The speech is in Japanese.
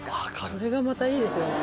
それがまたいいですよね。